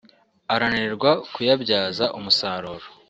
ananirwa kuyabyza umusaruro